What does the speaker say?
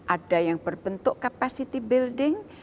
ada yang berbentuk capacity building